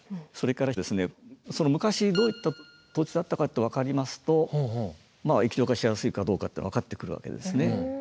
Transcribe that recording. それからですね昔どういった土地だったかって分かりますと液状化しやすいかどうかっていうのが分かってくるわけですね。